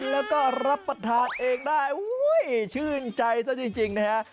แล้วก็รับประทานเองได้ชื่นใจซะจริงนะฮะ